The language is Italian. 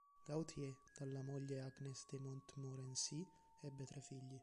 Gauthier dalla moglie Agnès de Montmorency ebbe tre figli.